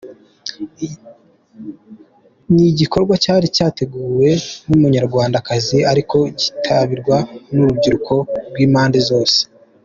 Ni igikorwa cyari cyateguwe n’Umunyarwandakazi ariko cyitabirwa n’urubyiruko rw’impande zose.